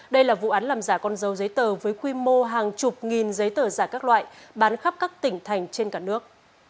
đây là vụ án làm giả con dấu giấy tờ với quy mô hàng chục nghìn giấy tờ giả các loại bán khắp các tỉnh thành trên cả nước